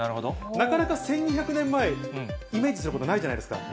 なかなか１２００年前、イメージすることないじゃないですか。